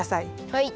はい。